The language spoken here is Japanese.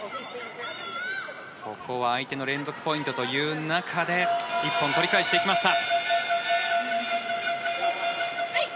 ここは相手の連続ポイントという中で１本取り返していきました。